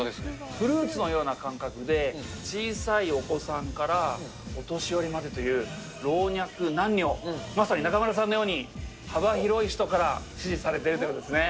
フルーツのような感覚で、小さいお子さんからお年寄りまでという、老若男女、まさに中丸さんのように、幅広い人から支持されているということですね。